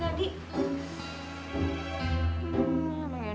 pokoknya gue gak mau tau